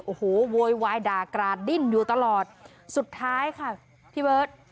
โอ้โหโวยวายด่ากราดดิ้นอยู่ตลอดสุดท้ายค่ะพี่เบิร์ต